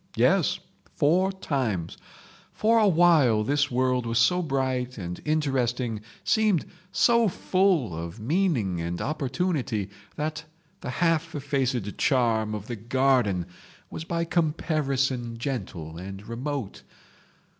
Yes—four times. For a while this world was so bright and interesting, seemed so full of meaning and opportunity that the half effaced charm of the garden was by comparison gentle and remote.